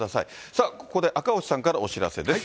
さあ、ここで赤星さんからお知らせです。